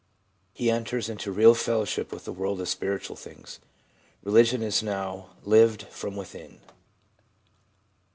He enters into real fellowship with the world of spiritual things. Religion is now lived from within.